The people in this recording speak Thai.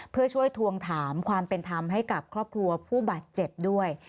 เพื่อช่วยทวงถามความเป็นธรรมให้กับครอบครัวผู้บาดเจ็บด้วย